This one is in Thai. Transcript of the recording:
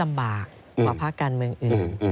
กับภาคการเมืองอื่น